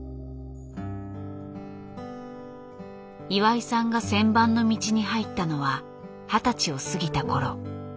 岩井さんが旋盤の道に入ったのは二十歳を過ぎた頃。